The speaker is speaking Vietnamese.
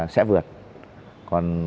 sẽ vượt còn